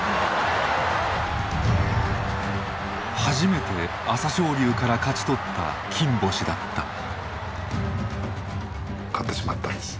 初めて朝青龍から勝ち取った金星だった。